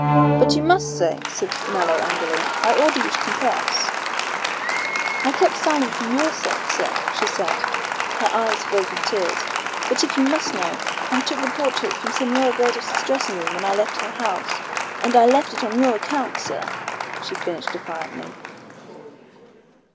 "But you must say," said Mallow angrily. "I order you to confess." "I kept silent for your sake, sir," she said, her eyes filled with tears, "but if you must know, I took the portrait from Senora Gredos' dressing room when I left her house. And I left it on your account, sir," she finished defiantly.